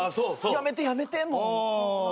やめてやめてもう。